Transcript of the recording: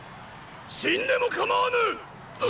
死んでも構わぬ！